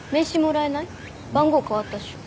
番号変わったっしょ？